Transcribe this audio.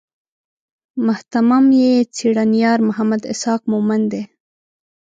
مهتمم یې څېړنیار محمد اسحاق مومند دی.